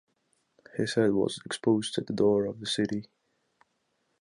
His head was exposed at the door of the city.